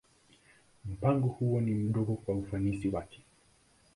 Mpango huo ni mdogo kwa ufanisi wake.